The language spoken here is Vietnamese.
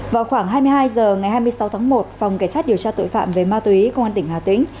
vào khoảng hai mươi hai h ngày hai mươi sáu tháng một phòng cảnh sát điều tra tội phạm về ma túy công an tỉnh hà tĩnh